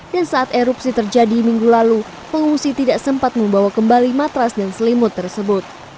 dan saat erupsi terjadi minggu lalu pengungsi tidak sempat membawa kembali matras dan selimut tersebut